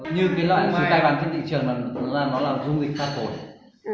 như cái loại chữ tay bàn trên thị trường là nó là dung dịch phát hồi